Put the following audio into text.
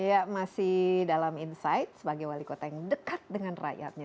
ya masih dalam insight sebagai wali kota yang dekat dengan rakyatnya